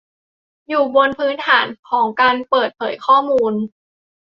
อยู่บนพื้นฐานของการเปิดเผยข้อมูล